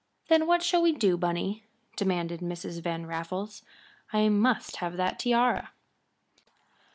"Then what shall we do, Bunny?" demanded Mrs. Van Raffles. "_I must have that tiara.